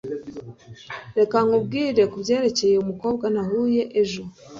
reka nkubwire kubyerekeye umukobwa nahuye ejo